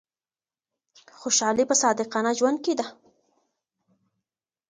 خوشحالي په صادقانه ژوند کي ده.